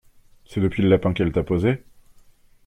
C'est depuis le lapin qu'elle t'a posé?